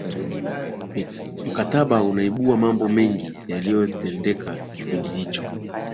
mkataba unaibua mambo mengi yaliyotendeka kipindi hicho